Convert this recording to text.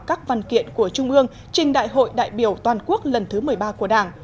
các văn kiện của trung ương trình đại hội đại biểu toàn quốc lần thứ một mươi ba của đảng